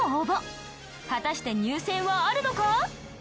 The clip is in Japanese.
果たして入選はあるのか？